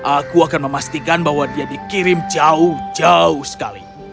aku akan memastikan bahwa dia dikirim jauh jauh sekali